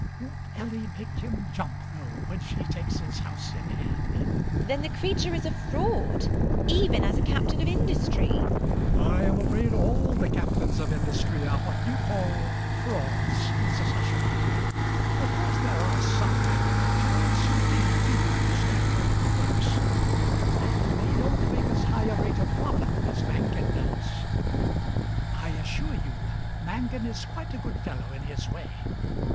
Won't Ellie make him jump, though, when she takes his house in hand! MRS HUSHABYE. Then the creature is a fraud even as a captain of industry! MAZZINI. I am afraid all the captains of industry are what you call frauds, Mrs Hushabye. Of course there are some manufacturers who really do understand their own works; but they don't make as high a rate of profit as Mangan does. I assure you Mangan is quite a good fellow in his way.